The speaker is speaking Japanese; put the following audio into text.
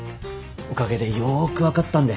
おかげでよく分かったんで。